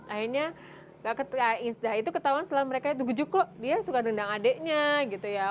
akhirnya itu ketahuan setelah mereka itu gujuk loh dia suka dendam adeknya gitu ya